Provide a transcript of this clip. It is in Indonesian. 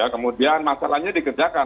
kemudian masalahnya dikerjakan